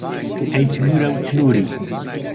ئەی چنوورە و چنووری